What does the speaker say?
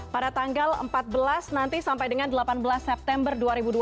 pada tanggal empat belas nanti sampai dengan delapan belas september dua ribu dua puluh